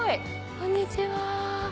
こんにちは。